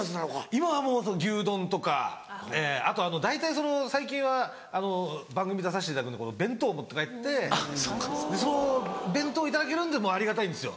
今はもう牛丼とかあと大体最近は番組出させていただくんで弁当を持って帰ってその弁当を頂けるんでありがたいんですよ。